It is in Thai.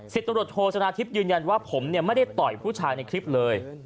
ตำรวจโทชนะทิพย์ยืนยันว่าผมไม่ได้ต่อยผู้ชายในคลิปเลย